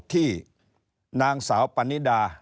ที่นางสาวปณิดา